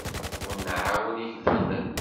Ur nɛawen igellilen.